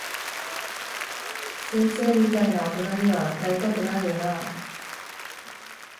先生みたいな大人には、なりたくないよなぁ。